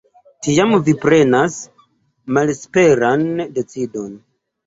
Tiam vi prenas malesperan decidon.